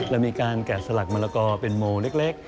เรามีการแกะสลักมะละกอเป็นโมเล็ก